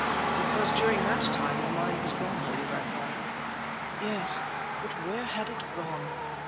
"Because during that time your mind was gone, Lady Ragnall." "Yes, but where had it gone?